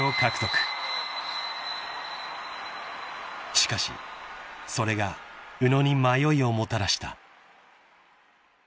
［しかしそれが宇野に迷いをもたらした］